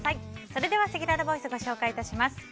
それでは、せきららボイスご紹介致します。